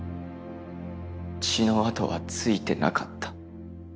血の跡は付いてなかった。